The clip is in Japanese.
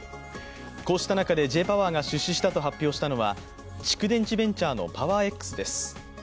こうした中でＪ−ＰＯＷＥＲが出資したと発表したのは蓄電池ベンチャーのパワーエックスです。